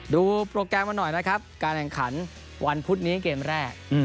โปรแกรมมาหน่อยนะครับการแข่งขันวันพุธนี้เกมแรก